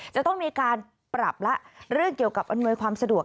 จะต้องมีการปรับละเรื่องเกี่ยวกับอำนวยความสะดวก